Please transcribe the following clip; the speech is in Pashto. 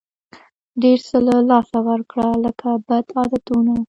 ډېر څه له لاسه ورکړه لکه بد عادتونه.